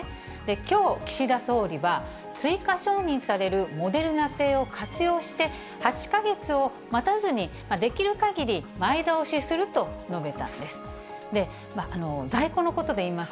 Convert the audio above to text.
きょう、岸田総理は追加承認されるモデルナ製を活用して、８か月を待たずに、できるかぎり前倒しすると述べたんです。